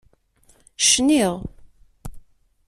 Cniɣ.